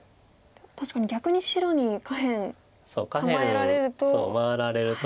確かに逆に白に下辺構えられると。